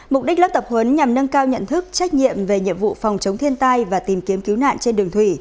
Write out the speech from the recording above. mục đích lớp tập huấn nhằm nâng cao nhận thức trách nhiệm về nhiệm vụ phòng chống thiên tai và tìm kiếm cứu nạn trên đường thủy